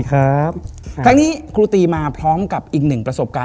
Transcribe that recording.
ครั้งนี้ครูตีมาพร้อมกับอีกหนึ่งประสบการณ์